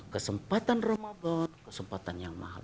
kesempatan ramadan kesempatan yang mahal